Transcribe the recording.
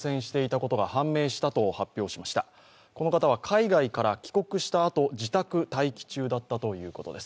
この方は海外から帰国したあと自宅待機中だったということです。